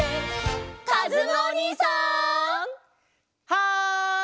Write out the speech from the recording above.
はい！